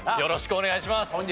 よろしくお願いします。